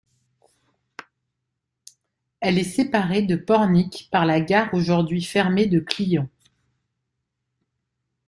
Elle est séparée de Pornic par la gare aujourd'hui fermée de Clion.